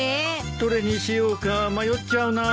どれにしようか迷っちゃうな。